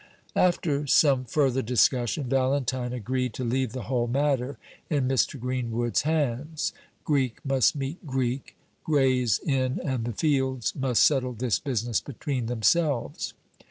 After some further discussion, Valentine agreed to leave the whole matter in Mr. Greenwood's hands. Greek must meet Greek. Gray's Inn and the Fields must settle this business between themselves.